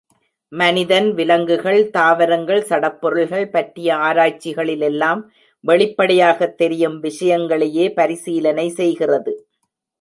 மனிதன், விலங்குகள், தாவரங்கள், சடப் பொருள்கள் பற்றிய ஆராய்ச்சிகளிலெல்லாம் வெளிப்படையாகத் தெரியும் விஷயங்களையே பரிசீலனை செய்கிறது.